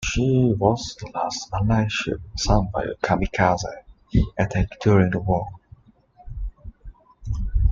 She was the last Allied ship sunk by a "kamikaze" attack during the war.